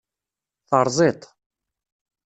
Teṛẓiḍ-t.